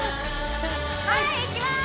はいいきまーす